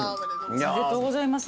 おめでとうございます。